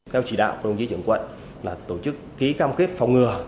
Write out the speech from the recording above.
theo chỉ đạo của đồng chí trưởng quận là tổ chức ký cam kết phòng ngừa